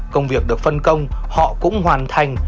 công việc được phân công họ cũng hoàn thành